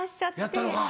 やったのか。